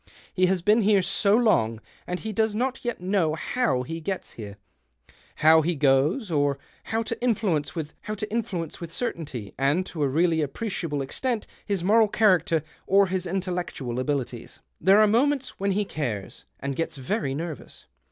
He has been here so long, and he does not yet know how he gets here, how he goes, or how to influence with certainty and to a really appreciable extent his moral character or his intellectual abilities. There are moments when he cares, and gets very nervous.